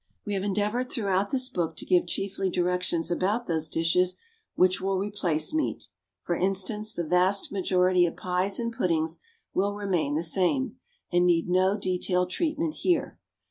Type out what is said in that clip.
We have endeavoured throughout this book to give chiefly directions about those dishes which will replace meat. For instance, the vast majority of pies and puddings will remain the same, and need no detailed treatment here.